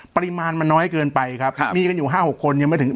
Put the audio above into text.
ปริมาณมันน้อยเกินไปครับมีกันอยู่๕๖คนยังไม่ถึง